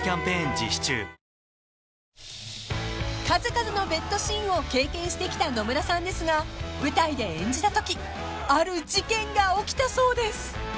［数々のベッドシーンを経験してきた野村さんですが舞台で演じたときある事件が起きたそうです］